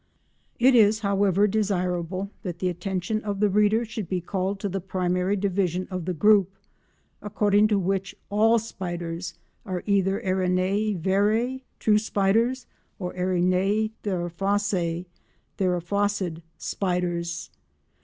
It is, however, desirable, that the attention of the reader should be called to the primary division of the group, according to which all spiders are either Araneae verae (true spiders) or Araneae theraphosae (theraphosid spiders.)